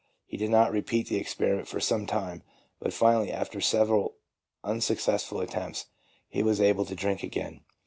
He did not repeat the experiment for some time, but finally, after several unsuccessful attempts, he was able to drink again.